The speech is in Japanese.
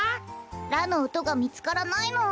ラのおとがみつからないの。